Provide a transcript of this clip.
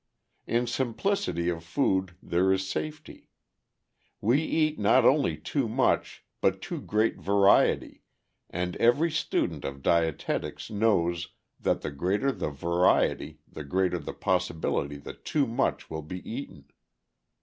In simplicity of food there is safety. We eat not only too much, but too great variety, and every student of dietetics knows that the greater the variety the greater the possibility that too much will be eaten.